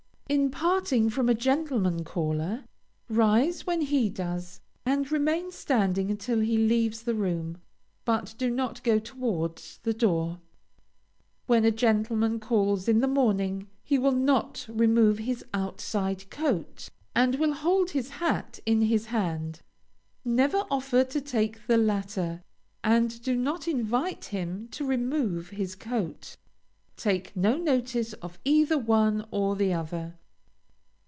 In parting from a gentleman caller, rise when he does, and remain standing until he leaves the room, but do not go towards the door. When a gentleman calls in the morning he will not remove his outside coat, and will hold his hat in his hand. Never offer to take the latter, and do not invite him to remove his coat. Take no notice of either one or the other.